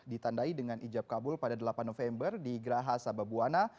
ditandai dengan ijab kabul pada delapan november di geraha sababwana